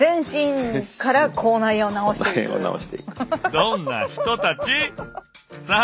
どんな人たち⁉さあ